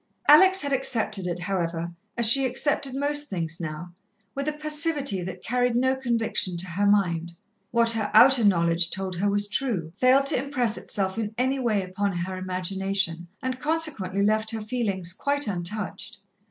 Alex had accepted it, however, as she accepted most things now, with a passivity that carried no conviction to her mind. What her outer knowledge told her was true, failed to impress itself in any way upon her imagination, and consequently left her feelings quite untouched.